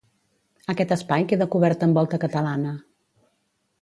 Aquest espai queda cobert amb volta catalana.